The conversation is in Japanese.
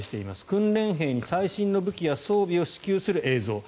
訓練兵に最新の武器や装備を支給する映像。